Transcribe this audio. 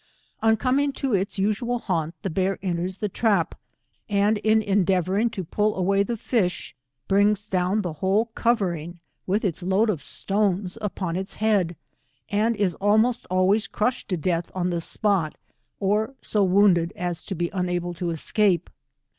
On coming to Us. usual haunt, the bear enters the trap, and in en deavouring to pull away the fish, brings down thd whole covering with its load of stones upon its head, and is almost always crushed to death on the apot, or so wounded as to be unable to escape.